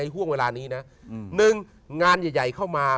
หนึ่งงานใหญ่เข้ามา